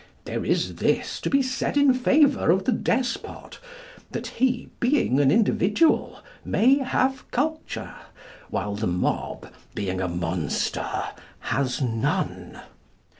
There is this to be said in favour of the despot, that he, being an individual, may have culture, while the mob, being a monster, has none.